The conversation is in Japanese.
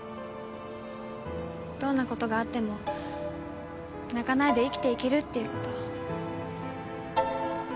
どんな事があっても泣かないで生きていけるっていう事。